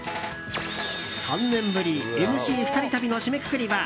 ３年ぶりＭＣ２人旅の締めくくりは。